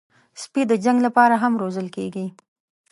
سپي د جنګ لپاره هم روزل کېږي.